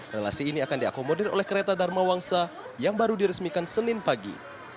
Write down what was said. relasi ini akan diakomodir oleh kereta dharma wangsa yang baru diresmikan senin pagi